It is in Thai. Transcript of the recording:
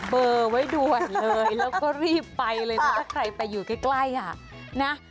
เบอร์ไว้ด่วนเลยแล้วก็รีบไปเลยนะถ้าใครไปอยู่ใกล้อ่ะนะ